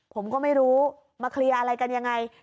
ผมก็ไม่รู้มาเคลียร์อะไรกันยังไง